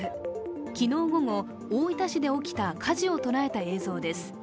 昨日午後、大分市で起きた火事を捉えた映像です。